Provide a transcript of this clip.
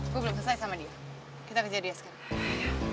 gue belum selesai sama dia kita kerja dia sekarang